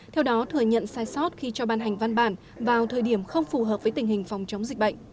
theo đó thừa nhận sai sót khi cho ban hành văn bản vào thời điểm không phù hợp với tình hình phòng chống dịch bệnh